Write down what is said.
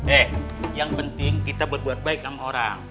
eh yang penting kita berbuat baik sama orang